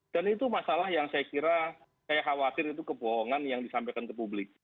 dan itu masalah yang saya kira saya khawatir itu kebohongan yang disampaikan ke publik